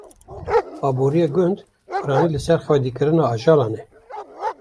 Aborîya gund piranî li ser xwedîkirina ajalan e.